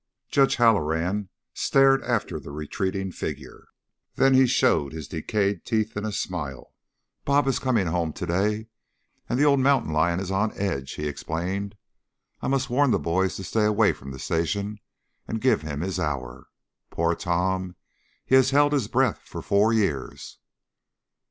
Judge Halloran stared after the retreating figure, then he showed his decayed teeth in a smile. "'Bob' is coming home to day and the old Mountain Lion is on edge," he explained. "I must warn the boys to stay away from the station and give him his hour. Poor Tom! He has held his breath for four years."